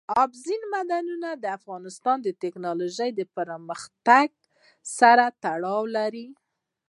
اوبزین معدنونه د افغانستان د تکنالوژۍ پرمختګ سره تړاو لري.